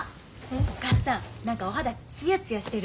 お母さん何かお肌ツヤツヤしてる。